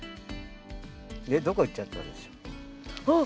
ねっどこ行っちゃったんでしょう？あっ。